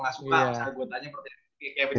gak suka misalnya gue tanya pertanyaan kevin